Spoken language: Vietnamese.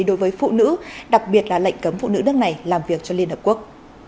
đối với phụ nữ đặc biệt là lệnh cấm phụ nữ nước này làm việc cho liên hợp quốc